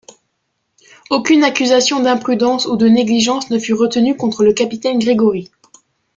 Aucune accusation d'imprudence ou de négligence ne fut retenue contre le capitaine Gregory.